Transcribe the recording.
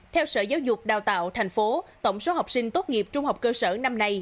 theo sở giáo dục đào tạo thành phố tổng số học sinh tốt nghiệp trung học cơ sở năm nay